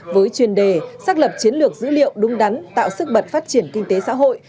với chuyên đề xác lập chiến lược dữ liệu đúng đắn tạo sức bật phát triển kinh tế xã hội